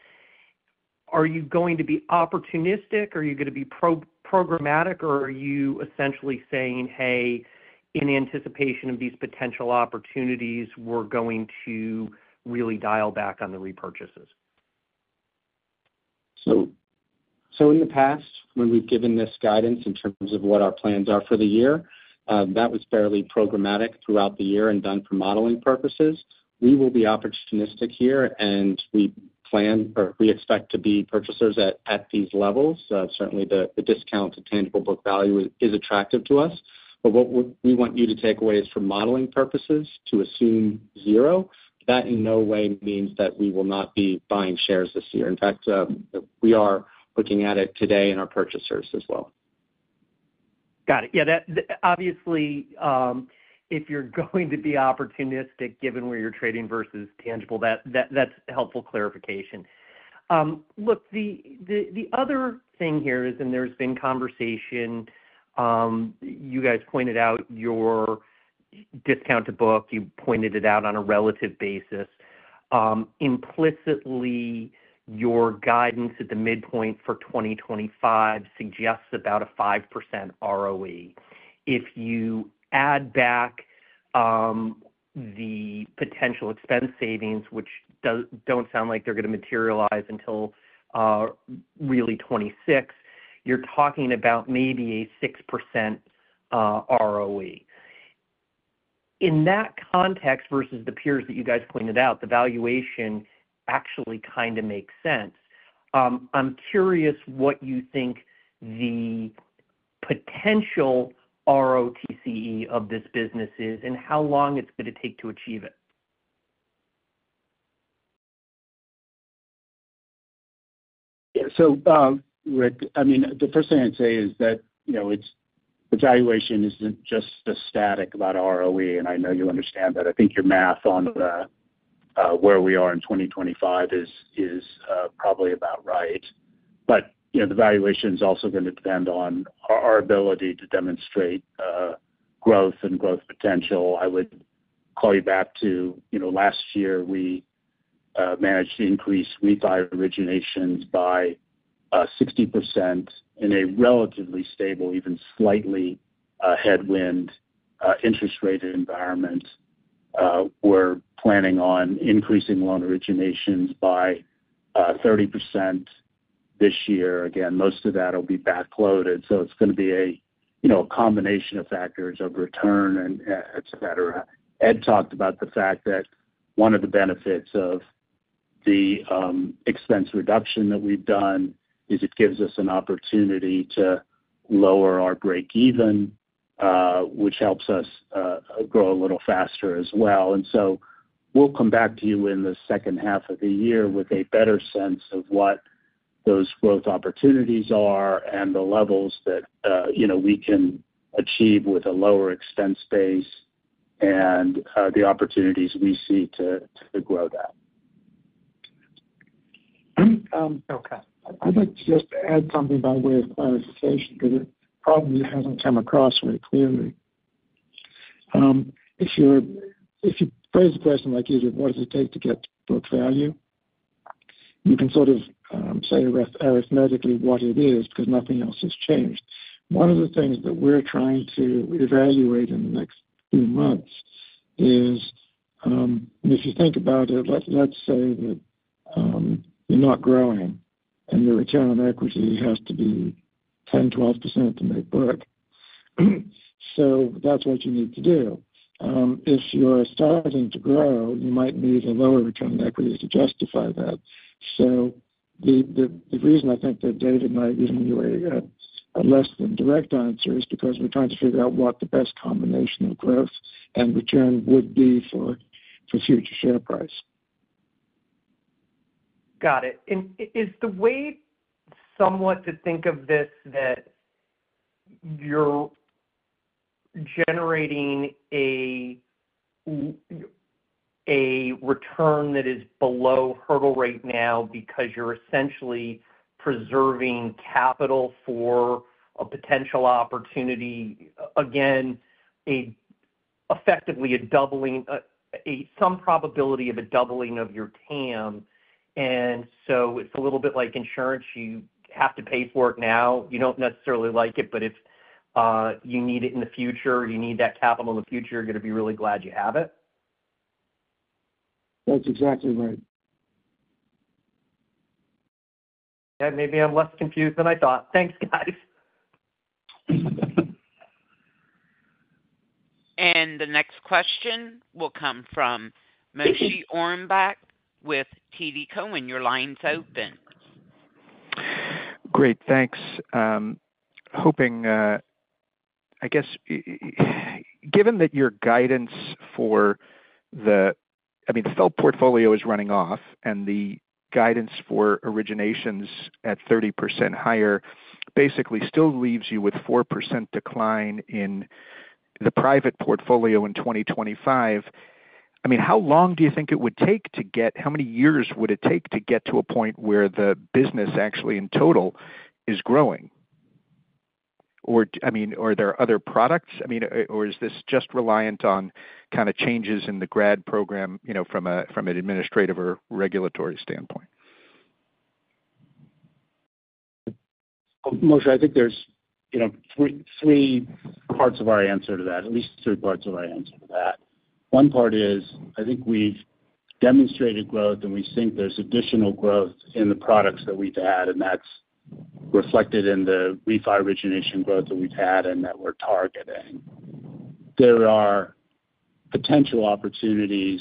Are you going to be opportunistic? Are you going to be programmatic? Or are you essentially saying, "Hey, in anticipation of these potential opportunities, we're going to really dial back on the repurchases"? So in the past, when we've given this guidance in terms of what our plans are for the year, that was fairly programmatic throughout the year and done for modeling purposes. We will be opportunistic here, and we expect to be purchasers at these levels. Certainly, the discounted tangible book value is attractive to us. But what we want you to take away is for modeling purposes to assume zero. That in no way means that we will not be buying shares this year. In fact, we are looking at it today in our purchasers as well. Got it. Yeah. Obviously, if you're going to be opportunistic, given where you're trading versus tangible, that's helpful clarification. Look, the other thing here is, and there's been conversation, you guys pointed out your discounted book. You pointed it out on a relative basis. Implicitly, your guidance at the midpoint for 2025 suggests about a 5% ROE. If you add back the potential expense savings, which don't sound like they're going to materialize until really 2026, you're talking about maybe a 6% ROE. In that context versus the peers that you guys pointed out, the valuation actually kind of makes sense. I'm curious what you think the potential ROTCE of this business is and how long it's going to take to achieve it. Yeah. So, Rick, I mean, the first thing I'd say is that the valuation isn't just a static about ROE, and I know you understand that. I think your math on where we are in 2025 is probably about right. But the valuation is also going to depend on our ability to demonstrate growth and growth potential. I would call you back to last year. We managed to increase retail originations by 60% in a relatively stable, even slightly headwind interest rate environment. We're planning on increasing loan originations by 30% this year. Again, most of that will be backloaded. So it's going to be a combination of factors of return, etc. Ed talked about the fact that one of the benefits of the expense reduction that we've done is it gives us an opportunity to lower our breakeven, which helps us grow a little faster as well. And so we'll come back to you in the second half of the year with a better sense of what those growth opportunities are and the levels that we can achieve with a lower expense base and the opportunities we see to grow that. Okay. I'd like to just add something by way of clarification because it probably hasn't come across very clearly. If you phrase a question like, "What does it take to get book value?" you can sort of say arithmetically what it is because nothing else has changed. One of the things that we're trying to evaluate in the next few months is, if you think about it, let's say that you're not growing and your return on equity has to be 10%-12% to make work. So that's what you need to do. If you're starting to grow, you might need a lower return on equity to justify that. So the reason I think that David might give you a less than direct answer is because we're trying to figure out what the best combination of growth and return would be for future share price. Got it. Is the way somewhat to think of this that you're generating a return that is below hurdle rate now because you're essentially preserving capital for a potential opportunity, again, effectively some probability of a doubling of your TAM? And so it's a little bit like insurance. You have to pay for it now. You don't necessarily like it, but if you need it in the future, you need that capital in the future, you're going to be really glad you have it. That's exactly right. Yeah. Maybe I'm less confused than I thought. Thanks, guys. And the next question will come from Moshe Orenbuch with TD Cowen. And your line's open. Great. Thanks. I guess given that your guidance for the, I mean, the FFELP portfolio is running off, and the guidance for originations at 30% higher basically still leaves you with 4% decline in the private portfolio in 2025, I mean, how long do you think it would take, how many years would it take, to get to a point where the business actually in total is growing? Or, I mean, are there other products? I mean, or is this just reliant on kind of changes in the Grad PLUS program from an administrative or regulatory standpoint? Moshe, I think there's three parts of our answer to that, at least three parts of our answer to that. One part is I think we've demonstrated growth, and we think there's additional growth in the products that we've had, and that's reflected in the retail origination growth that we've had and that we're targeting. There are potential opportunities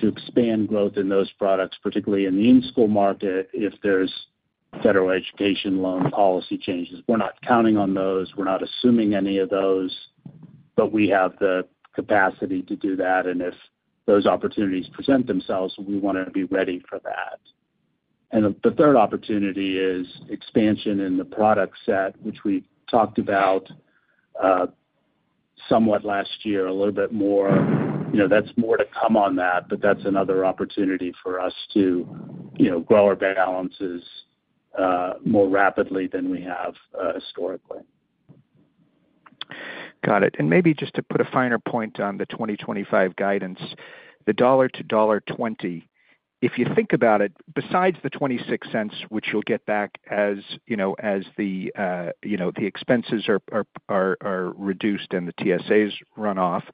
to expand growth in those products, particularly in the in-school market, if there's federal education loan policy changes. We're not counting on those. We're not assuming any of those, but we have the capacity to do that. And if those opportunities present themselves, we want to be ready for that. And the third opportunity is expansion in the product set, which we've talked about somewhat last year, a little bit more. That's more to come on that, but that's another opportunity for us to grow our balances more rapidly than we have historically. Got it. Maybe just to put a finer point on the 2025 guidance, the $1.00-$1.20, if you think about it, besides the $0.26, which you'll get back as the expenses are reduced and the TSAs run off,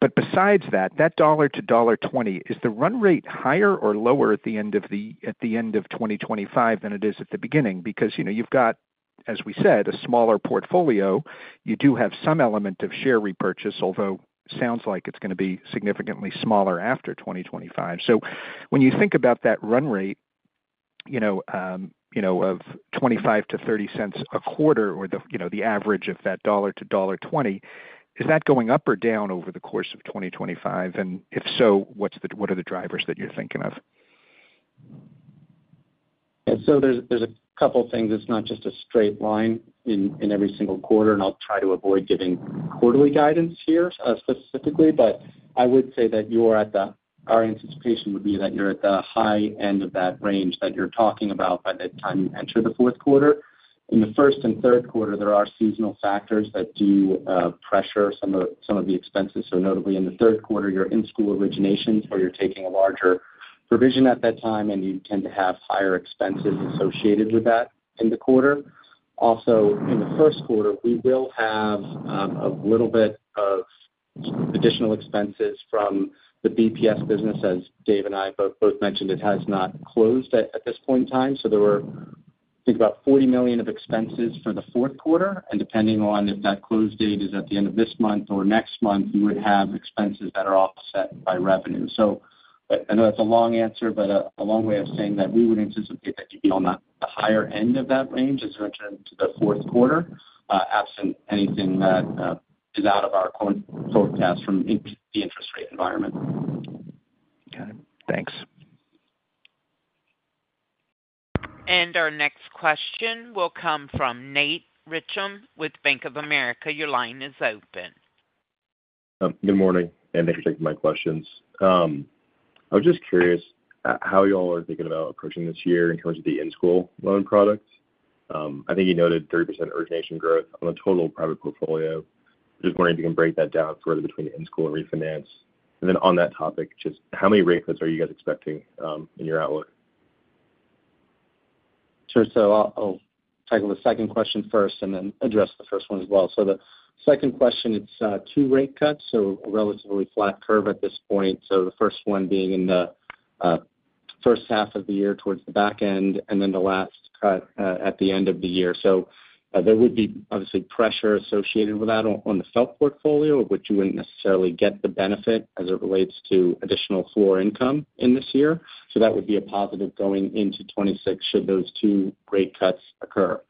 but besides that, that $1.00-$1.20, is the run rate higher or lower at the end of 2025 than it is at the beginning? Because you've got, as we said, a smaller portfolio. You do have some element of share repurchase, although it sounds like it's going to be significantly smaller after 2025, so when you think about that run rate of $0.25-$0.30 a quarter, or the average of that $1.00-$1.20, is that going up or down over the course of 2025? And if so, what are the drivers that you're thinking of? Yeah, so there's a couple of things. It's not just a straight line in every single quarter, and I'll try to avoid giving quarterly guidance here specifically, but I would say that our anticipation would be that you're at the high end of that range that you're talking about by the time you enter the fourth quarter. In the first and third quarter, there are seasonal factors that do pressure some of the expenses. So notably, in the third quarter, you're in-school originations, where you're taking a larger provision at that time, and you tend to have higher expenses associated with that in the quarter. Also, in the first quarter, we will have a little bit of additional expenses from the BPS business. As Dave and I both mentioned, it has not closed at this point in time. So there were, I think, about $40 million of expenses for the fourth quarter. And depending on if that close date is at the end of this month or next month, you would have expenses that are offset by revenue. So I know that's a long answer, but a long way of saying that we would anticipate that you'd be on the higher end of that range as you enter into the fourth quarter, absent anything that is out of our forecast from the interest rate environment. Got it. Thanks. And our next question will come from Nate Richmond with Bank of America. Your line is open. Good morning, and thanks for taking my questions. I was just curious how you all are thinking about approaching this year in terms of the in-school loan product. I think you noted 30% origination growth on the total private portfolio. Just wondering if you can break that down further between in-school and refinance? And then on that topic, just how many rate cuts are you guys expecting in your outlook? Sure. So I'll tackle the second question first and then address the first one as well. So the second question, it's two rate cuts, so a relatively flat curve at this point. So the first one being in the first half of the year towards the back end, and then the last cut at the end of the year. So there would be obviously pressure associated with that on the FFELP portfolio, which you wouldn't necessarily get the benefit as it relates to additional floor income in this year. So that would be a positive going into 2026 should those two rate cuts occur.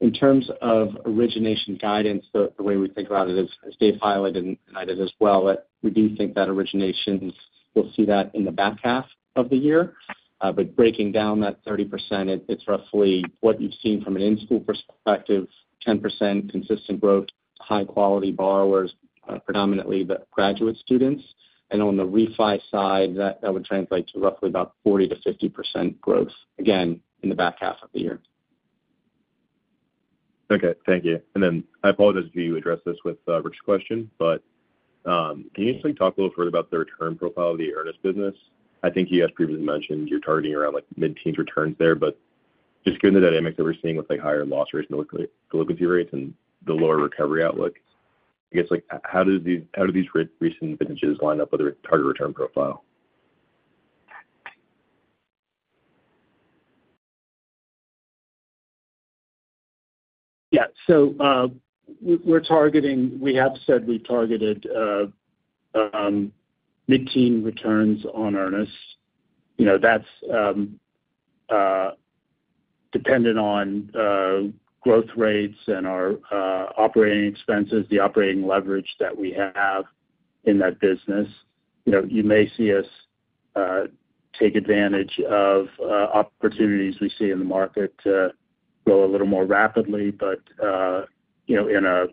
In terms of origination guidance, the way we think about it, as Dave highlighted and I did as well, we do think that originations, we'll see that in the back half of the year. But breaking down that 30%, it's roughly what you've seen from an in-school perspective, 10% consistent growth, high-quality borrowers, predominantly the graduate students. And on the refi side, that would translate to roughly about 40%-50% growth, again, in the back half of the year. Okay. Thank you. And then I apologize if you addressed this with a Rick question, but can you just talk a little further about the return profile of the Earnest business? I think you guys previously mentioned you're targeting around mid-teens returns there, but just given the dynamics that we're seeing with higher loss rates and delinquency rates and the lower recovery outlook, I guess, how do these recent vintages line up with the target return profile? Yeah. So we have said we've targeted mid-teen returns on Earnest. That's dependent on growth rates and our operating expenses, the operating leverage that we have in that business. You may see us take advantage of opportunities we see in the market to grow a little more rapidly, but in a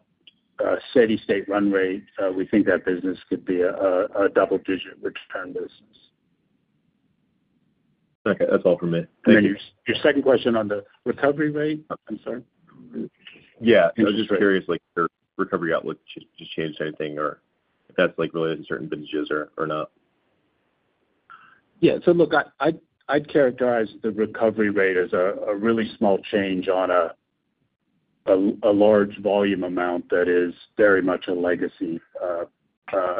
steady-state run rate, we think that business could be a double-digit return business. Okay. That's all for me. Thank you. Your second question on the recovery rate? I'm sorry. Yeah. I was just curious if your recovery outlook just changed anything or if that's related to certain vintages or not. Yeah. So look, I'd characterize the recovery rate as a really small change on a large volume amount that is very much a legacy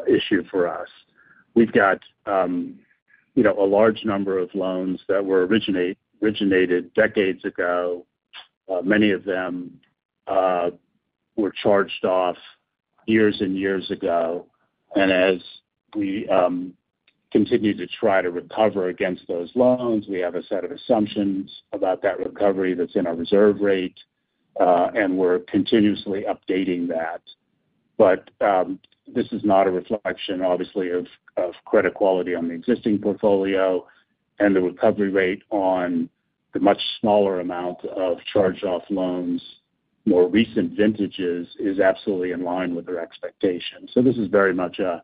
issue for us. We've got a large number of loans that were originated decades ago. Many of them were charged off years and years ago. And as we continue to try to recover against those loans, we have a set of assumptions about that recovery that's in our reserve rate, and we're continuously updating that. But this is not a reflection, obviously, of credit quality on the existing portfolio. And the recovery rate on the much smaller amount of charged-off loans, more recent vintages, is absolutely in line with our expectations. So this is very much a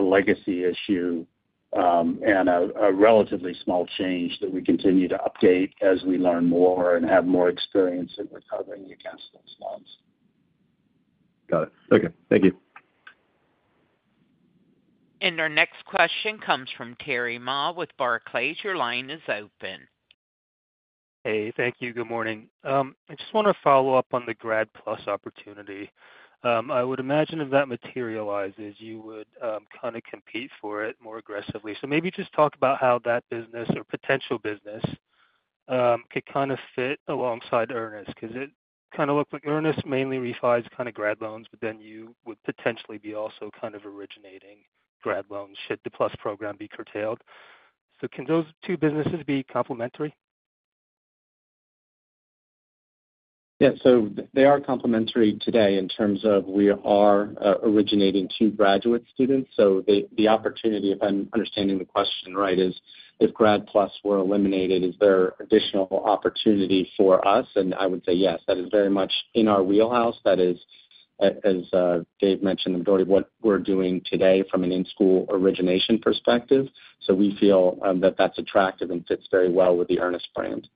legacy issue and a relatively small change that we continue to update as we learn more and have more experience in recovering against those loans. Got it. Okay. Thank you. Our next question comes from Terry Ma with Barclays. Your line is open. Hey. Thank you. Good morning. I just want to follow up on the Grad PLUS opportunity. I would imagine if that materializes, you would kind of compete for it more aggressively. So maybe just talk about how that business or potential business could kind of fit alongside Earnest because it kind of looked like Earnest mainly refis kind of Grad loans, but then you would potentially be also kind of originating Grad loans should the PLUS program be curtailed. So can those two businesses be complementary? Yeah. So they are complementary today in terms of we are originating to graduate students. So the opportunity, if I'm understanding the question right, is if Grad PLUS were eliminated, is there additional opportunity for us? And I would say yes. That is very much in our wheelhouse. That is, as Dave mentioned, the majority of what we're doing today from an in-school origination perspective. So we feel that that's attractive and fits very well with the Earnest brand.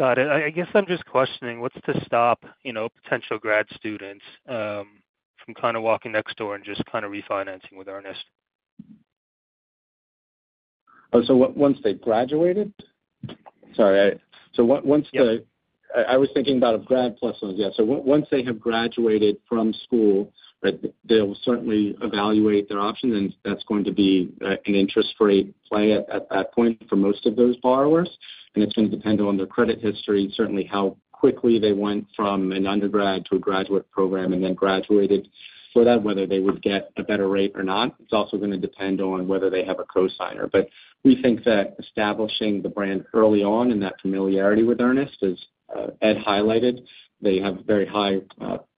Got it. I guess I'm just questioning what's to stop potential grad students from kind of walking next door and just kind of refinancing with Earnest? Oh, so once they've graduated? Sorry. So once the—I was thinking about Grad PLUS ones. Yeah. So once they have graduated from school, they'll certainly evaluate their options, and that's going to be an interest rate play at that point for most of those borrowers. And it's going to depend on their credit history, certainly how quickly they went from an undergrad to a graduate program and then graduated for that, whether they would get a better rate or not. It's also going to depend on whether they have a co-signer. But we think that establishing the brand early on and that familiarity with Earnest, as Ed highlighted, they have very high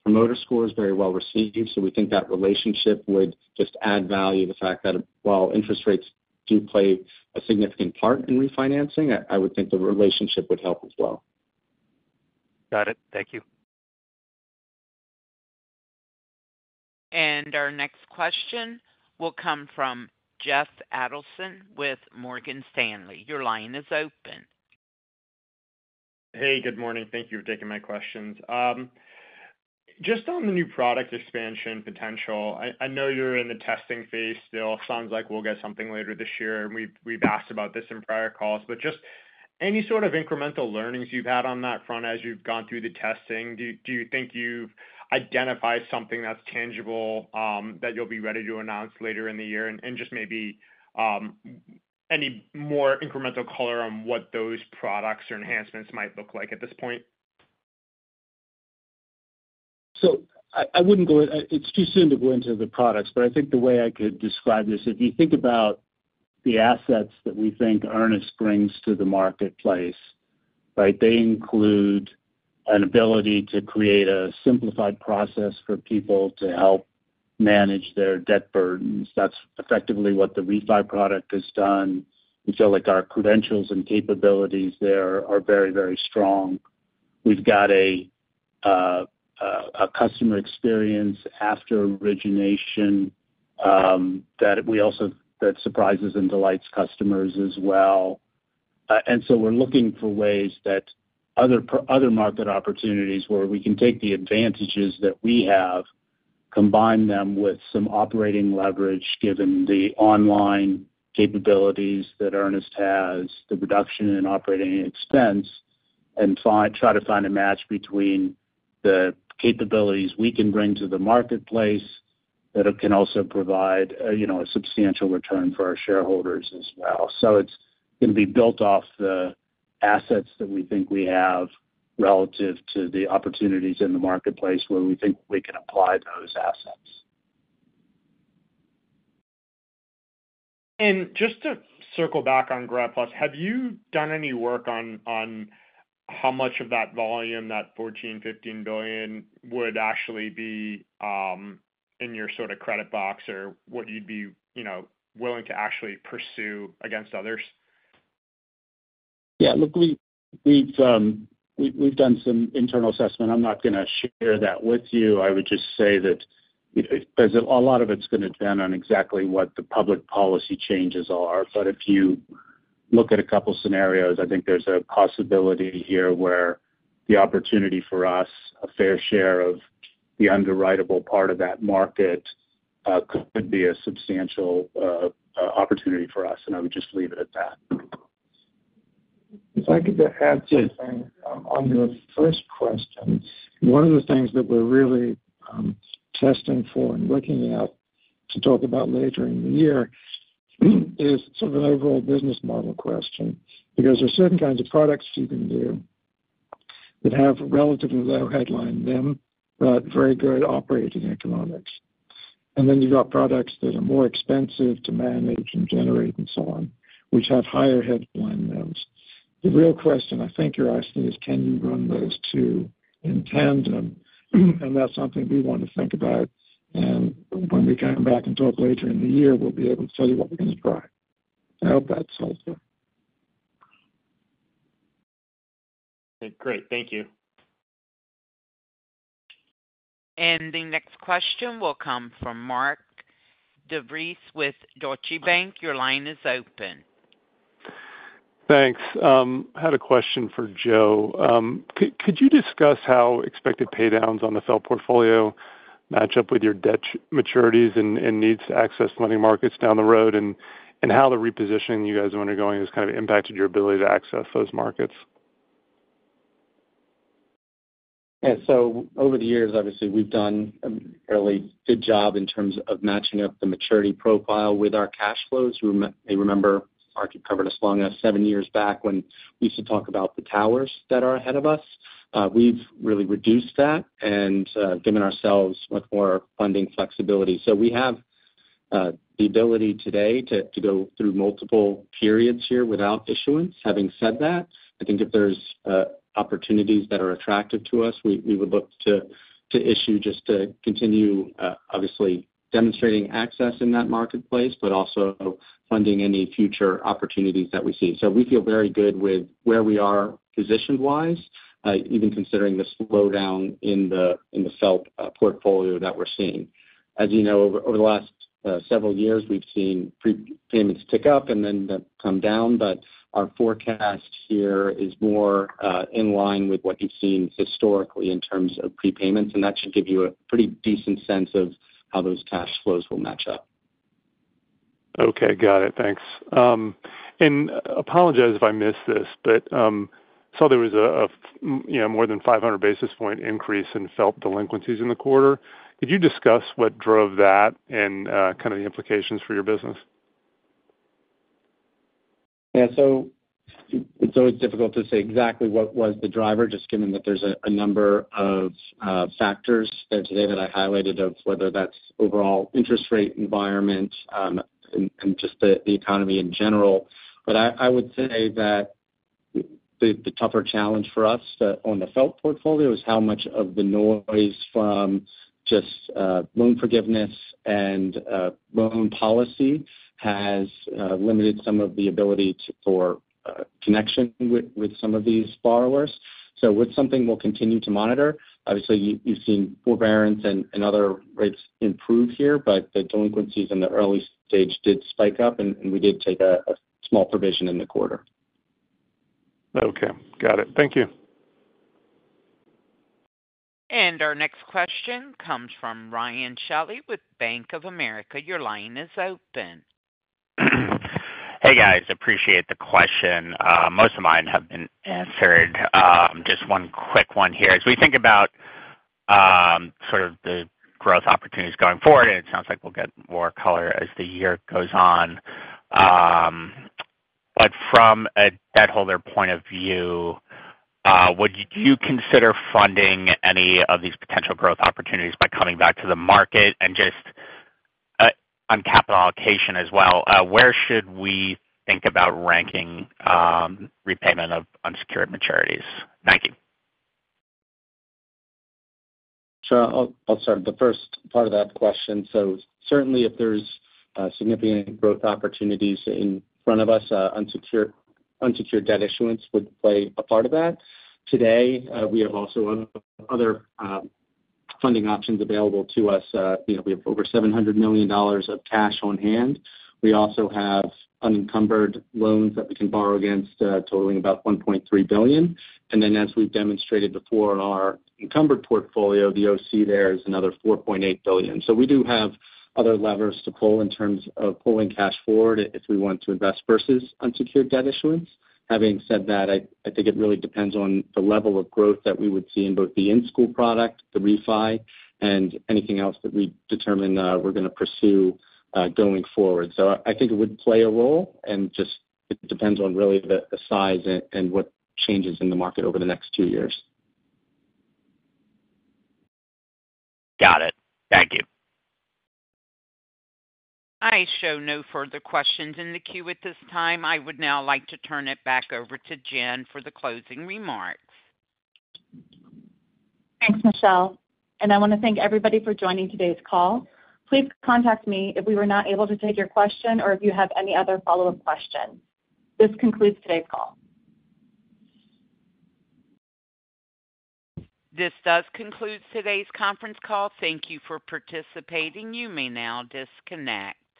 promoter scores, very well received. So we think that relationship would just add value, the fact that while interest rates do play a significant part in refinancing, I would think the relationship would help as well. Got it. Thank you. And our next question will come from Jeff Adelson with Morgan Stanley. Your line is open. Hey. Good morning. Thank you for taking my questions. Just on the new product expansion potential, I know you're in the testing phase still. Sounds like we'll get something later this year. We've asked about this in prior calls, but just any sort of incremental learnings you've had on that front as you've gone through the testing? Do you think you've identified something that's tangible that you'll be ready to announce later in the year, and just maybe any more incremental color on what those products or enhancements might look like at this point? So I wouldn't go into it. It's too soon to go into the products, but I think the way I could describe this, if you think about the assets that we think Earnest brings to the marketplace, right, they include an ability to create a simplified process for people to help manage their debt burdens. That's effectively what the refi product has done. We feel like our credentials and capabilities there are very, very strong. We've got a customer experience after origination that surprises and delights customers as well. And so we're looking for ways that other market opportunities where we can take the advantages that we have, combine them with some operating leverage, given the online capabilities that Earnest has, the reduction in operating expense, and try to find a match between the capabilities we can bring to the marketplace that can also provide a substantial return for our shareholders as well. So it's going to be built off the assets that we think we have relative to the opportunities in the marketplace where we think we can apply those assets. And just to circle back on Grad PLUS, have you done any work on how much of that volume, that $14-$15 billion, would actually be in your sort of credit box or what you'd be willing to actually pursue against others? Yeah. Look, we've done some internal assessment. I'm not going to share that with you. I would just say that a lot of it's going to depend on exactly what the public policy changes are. But if you look at a couple of scenarios, I think there's a possibility here where the opportunity for us, a fair share of the underwritable part of that market, could be a substantial opportunity for us. And I would just leave it at that. If I could add something on the first question, one of the things that we're really testing for and looking at to talk about later in the year is sort of an overall business model question because there are certain kinds of products you can do that have relatively low headline rates, but very good operating economics. And then you've got products that are more expensive to manage and generate and so on, which have higher headline rates. The real question I think you're asking is, can you run those two in tandem? And that's something we want to think about. And when we come back and talk later in the year, we'll be able to tell you what we're going to try. I hope that's helpful. Okay. Great. Thank you. And the next question will come from Mark DeVries with Deutsche Bank. Your line is open. Thanks. I had a question for Joe. Could you discuss how expected paydowns on the FFELP portfolio match up with your debt maturities and needs to access money markets down the road and how the repositioning you guys are undergoing has kind of impacted your ability to access those markets? Yeah. So over the years, obviously, we've done a really good job in terms of matching up the maturity profile with our cash flows. You may remember, Mark had covered us long enough seven years back when we used to talk about the towers that are ahead of us. We've really reduced that and given ourselves much more funding flexibility. So we have the ability today to go through multiple periods here without issuance. Having said that, I think if there's opportunities that are attractive to us, we would look to issue just to continue, obviously, demonstrating access in that marketplace, but also funding any future opportunities that we see. So we feel very good with where we are position-wise, even considering the slowdown in the FFELP portfolio that we're seeing. As you know, over the last several years, we've seen prepayments tick up and then come down, but our forecast here is more in line with what you've seen historically in terms of prepayments. That should give you a pretty decent sense of how those cash flows will match up. Okay. Got it. Thanks. I apologize if I missed this, but I saw there was a more than 500 basis point increase in FFELP delinquencies in the quarter. Could you discuss what drove that and kind of the implications for your business? Yeah. It's always difficult to say exactly what was the driver, just given that there's a number of factors today that I highlighted of whether that's overall interest rate environment and just the economy in general. I would say that the tougher challenge for us on the FFELP portfolio is how much of the noise from just loan forgiveness and loan policy has limited some of the ability for connection with some of these borrowers. It's something we'll continue to monitor. Obviously, you've seen forbearance and other rates improve here, but the delinquencies in the early stage did spike up, and we did take a small provision in the quarter. Okay. Got it. Thank you. And our next question comes from Ryan Shelley with Bank of America. Your line is open. Hey, guys. Appreciate the question. Most of mine have been answered. Just one quick one here. As we think about sort of the growth opportunities going forward, and it sounds like we'll get more color as the year goes on. But from a debt holder point of view, would you consider funding any of these potential growth opportunities by coming back to the market? And just on capital allocation as well, where should we think about ranking repayment of unsecured maturities? Thank you. So I'll start the first part of that question. So certainly, if there's significant growth opportunities in front of us, unsecured debt issuance would play a part of that. Today, we have also other funding options available to us. We have over $700 million of cash on hand. We also have unencumbered loans that we can borrow against totaling about $1.3 billion. And then, as we've demonstrated before on our encumbered portfolio, the OC there is another $4.8 billion. So we do have other levers to pull in terms of pulling cash forward if we want to invest versus unsecured debt issuance. Having said that, I think it really depends on the level of growth that we would see in both the in-school product, the refi, and anything else that we determine we're going to pursue going forward. So I think it would play a role, and just it depends on really the size and what changes in the market over the next two years. Got it. Thank you. I show no further questions in the queue at this time. I would now like to turn it back over to Jen for the closing remarks. Thanks, Michelle. And I want to thank everybody for joining today's call. Please contact me if we were not able to take your question or if you have any other follow-up questions. This concludes today's call. This does conclude today's conference call. Thank you for participating. You may now disconnect.